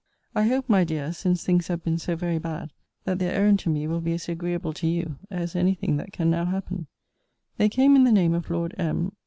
I hope, my dear, since things have been so very bad, that their errand to me will be as agreeable to you, as any thing that can now happen. They came in the name of Lord M.